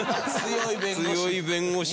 強い弁護士。